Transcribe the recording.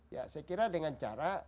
ya saya kira dengan cara